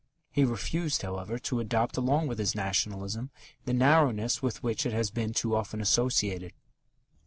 _ He refused, however, to adopt along with his Nationalism the narrowness with which it has been too often associated.